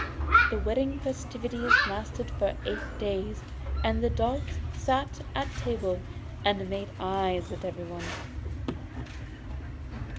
The wedding festivities lasted for eight days, and the dogs sat at table and made eyes at everyone.